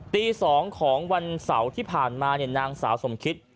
ตี๒ของวันเสาร์ที่ผ่านมานางสาวสมคิต